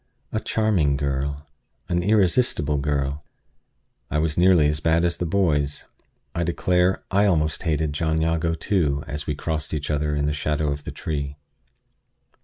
A charming girl an irresistible girl! I was nearly as bad as the boys. I declare, I almost hated John Jago, too, as we crossed each other in the shadow of the tree.